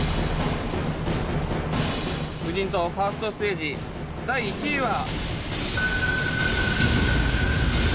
無人島ファーストステージ、第１位は。